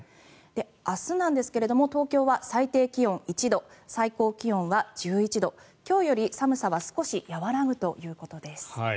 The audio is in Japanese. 明日なんですが東京は最低気温１度最高気温は１１度今日より寒さは少し和らぐということです。